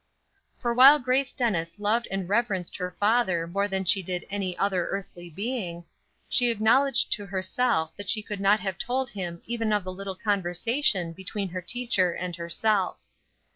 For while Grace Dennis loved and reverenced her father more than she did any other earthly being, she acknowledged to herself that she could not have told him even of the little conversation between her teacher and herself.